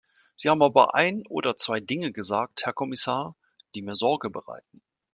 Sie haben aber ein oder zwei Dinge gesagt, Herr Kommissar, die mir Sorge bereiten.